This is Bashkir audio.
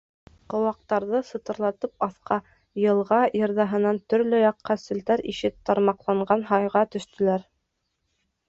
Ҡыуаҡтарҙы сытырлатып аҫҡа — йылға йырҙаһынан төрлө яҡҡа селтәр ише тармаҡланған һайға төштөләр.